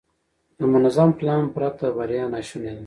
د منظم پلان پرته بریا ناشونې ده.